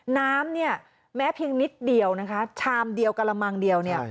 น้ำเนี่ยแม้เพียงนิดเดียวนะคะชามเดียวกระมังเดียวเนี่ย